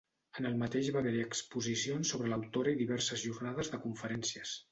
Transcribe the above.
En el mateix va haver-hi exposicions sobre l'autora i diverses jornades de conferències.